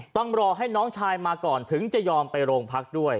ต้องรอให้น้องชายมาก่อนถึงจะยอมไปโรงพักด้วย